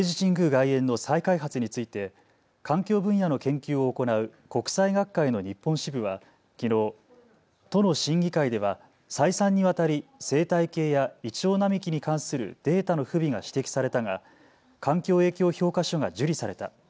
外苑の再開発について環境分野の研究を行う国際学会の日本支部はきのう都の審議会では再三にわたり生態系やイチョウ並木に関するデータの不備が指摘されたが環境影響評価書が受理された。